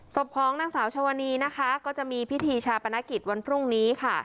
ศพของนางสาวชวนีนะคะก็จะมีพิธีชาปนกิจวันพรุ่งนี้ค่ะ